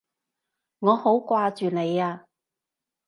我好掛住你啊！